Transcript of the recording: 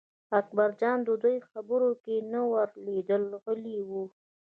اکبرجان د دوی خبرو کې نه ور لوېده غلی و.